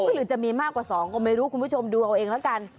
หรือจะมีมากกว่า๒ก็ไม่รู้คุณผู้ชมดูเอาเองแล้วกัน